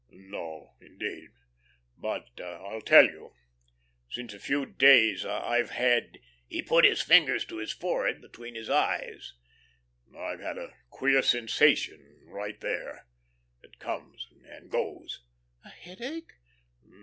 "No, indeed. But I'll tell you. Since a few days I've had," he put his fingers to his forehead between his eyes, "I've had a queer sensation right there. It comes and goes."